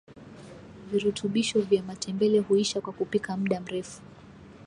virutubisho vya matembele huisha kwa kupika mda mrefu